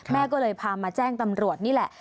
แม่ก็เลยพามาแจ้งตำรวจนี่แหละ